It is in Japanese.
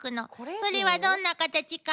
それはどんなカタチか？